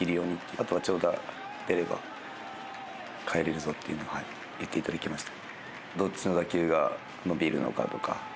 あとは「長打が出ればかえれるぞ」っていうのは言っていただきました。